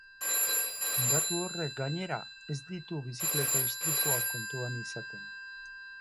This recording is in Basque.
Datu horrek, gainera, ez ditu bizikleta istripuak kontuan izaten.